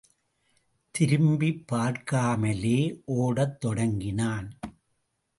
திரும்பிப் பார்க்காமலே ஒடத் தொடங்கினான்.